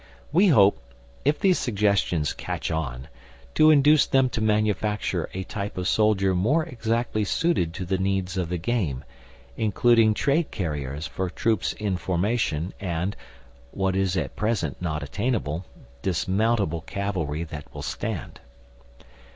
We hope, if these suggestions "catch on," to induce them to manufacture a type of soldier more exactly suited to the needs of the game, including tray carriers for troops in formation and (what is at present not attainable) dismountable cavalry that will stand.